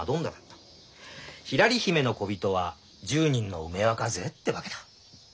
ひらり姫の小人は１０人の梅若勢ってわけだ。